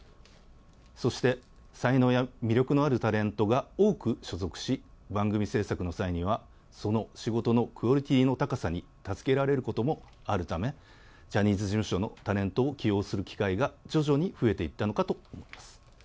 そして、才能や魅力のあるタレントが多く所属し、番組制作の際には、その仕事のクオリティーの高さに助けられることもあるため、ジャニーズ事務所のタレントを起用する機会が徐々に増えていったのかと思います。